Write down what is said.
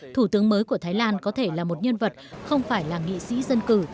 thủ tướng mới của thái lan có thể là một nhân vật không phải là nghị sĩ dân cử